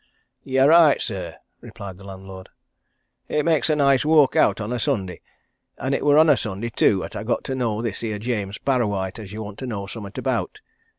"You're right, sir," replied the landlord. "It makes a nice walk out on a Sunday. And it were on a Sunday, too, 'at I got to know this here James Parrawhite as you want to know summat about.